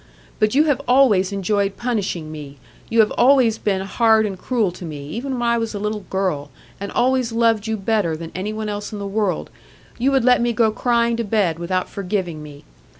But you have always enjoyed punishing me; you have always been hard and cruel to me; even when I was a little girl, and always loved you better than any one else in the world, you would let me go crying to bed without forgiving me.